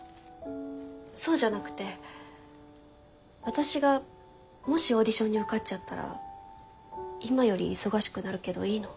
そうじゃなくて私がもしオーディションに受かっちゃったら今より忙しくなるけどいいの？